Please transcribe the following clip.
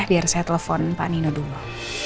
biar saya telepon pak nino dulu